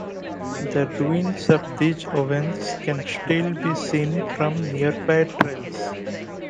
The ruins of these ovens can still be seen from nearby trails.